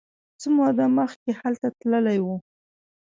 څه موده مخکې هلته تللی و.